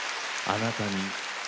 「あなたに」